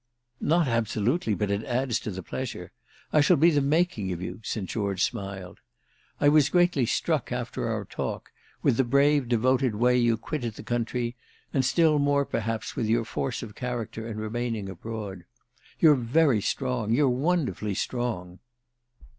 "Not absolutely, but it adds to the pleasure. I shall be the making of you," St. George smiled. "I was greatly struck, after our talk, with the brave devoted way you quitted the country, and still more perhaps with your force of character in remaining abroad. You're very strong—you're wonderfully strong."